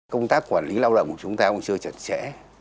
công tác quản lý lao động của chúng ta cũng chưa chặt chẽ